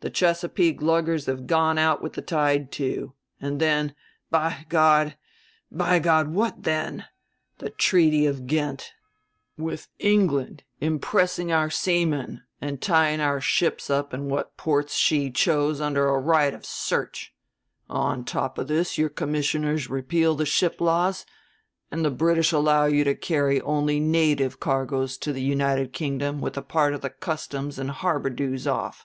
The Chesapeake luggers have gone out with the tide, too. And then, by God, by God, what then: the treaty of Ghent, with England impressing our seamen and tying our ships up in what ports she chose under a right of search! On top of this your commissioners repeal the ship laws and the British allow you to carry only native cargoes to the United Kingdom with a part of the customs and harbor dues off.